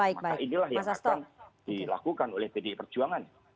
maka inilah yang akan dilakukan oleh pdi perjuangan